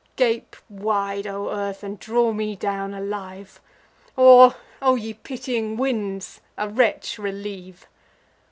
Gape wide, O earth, and draw me down alive! Or, O ye pitying winds, a wretch relieve!